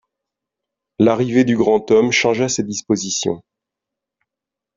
L'arrivée du grand homme changea ses dispositions.